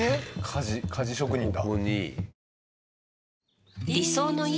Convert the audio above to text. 鍛冶鍛冶職人だ。